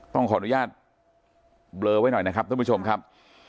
ต้องขออนุญาตเบลอไว้หน่อยนะครับท่านผู้ชมครับ